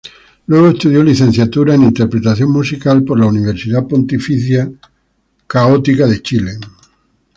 Luego estudió Licenciatura en Interpretación Musical en la Pontificia Universidad Católica de Chile.